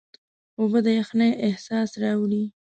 اوبه د یخنۍ احساس راوړي.